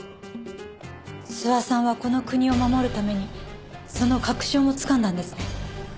須波さんはこの国を守るためにその確証もつかんだんですね。